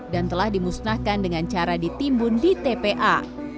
telah dimusnahkan dengan cara ditimbun di tpa